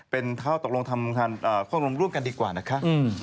เป็นข้อตกลงทำความรวมร่วมกันดีกว่านะคะ